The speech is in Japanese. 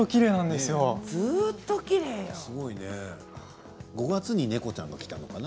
すごいね５月に猫ちゃんが来たのかな